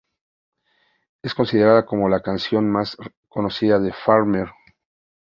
Es considerada como la canción más conocida de Farmer.